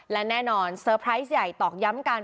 และแน่นอนเซอร์ไพรส์ใหญ่ตอกย้ำกัน